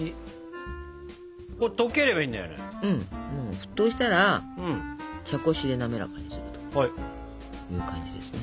沸騰したら茶こしで滑らかにするという感じですね。